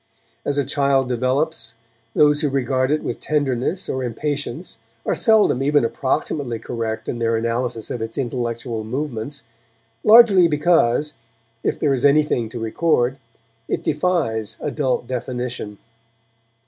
As a child develops, those who regard it with tenderness or impatience are seldom even approximately correct in their analysis of its intellectual movements, largely because, if there is anything to record, it defies adult definition.